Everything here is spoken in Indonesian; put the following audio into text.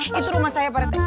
eh itu rumah saya pak rt